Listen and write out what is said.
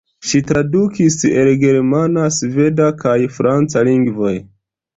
Ŝi tradukis el germana, sveda kaj franca lingvoj.